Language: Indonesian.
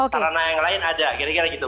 tarana yang lain ada kira kira gitu mbak